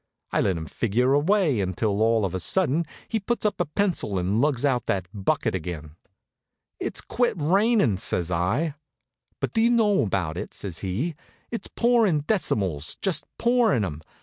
I let him figure away, until all of a sudden he puts up his pencil and lugs out that bucket again. "It's quit raining," says I. "What do you know about it?" says he. "It's pouring decimals, just pouring 'em.